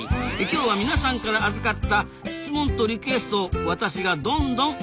今日は皆さんから預かった質問とリクエストを私がどんどんお伝えしていきますぞ！